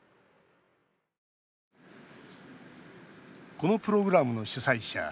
このプログラムの主催者